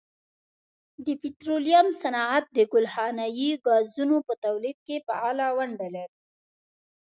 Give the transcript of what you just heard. د پټرولیم صنعت د ګلخانهیي ګازونو په تولید کې فعاله ونډه لري.